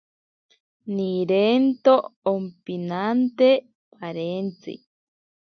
Nirento ompimante parentzi.